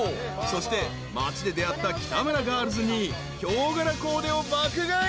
［そして町で出会った北村ガールズにヒョウ柄コーデを爆買い］